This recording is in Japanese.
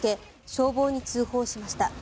消防に通報しました。